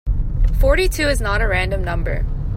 Forty-two is not a random number.